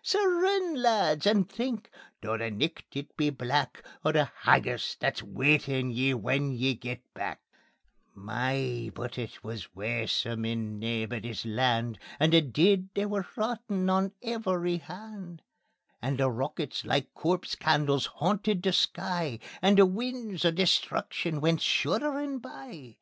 Sae rin, lads, and think, though the nicht it be black, O' the haggis that's waitin' ye when ye get back." My! but it wis waesome on Naebuddy's Land, And the deid they were rottin' on every hand. And the rockets like corpse candles hauntit the sky, And the winds o' destruction went shudderin' by.